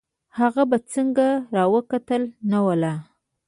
هغه په څنګ را وکتل: نه والله.